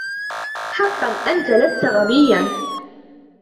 حقا، أنت لست غبيا.